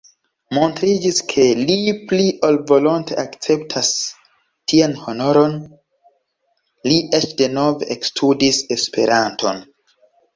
Montriĝis ke li pli ol volonte akceptas tian honoron: li eĉ denove ekstudis Esperanton.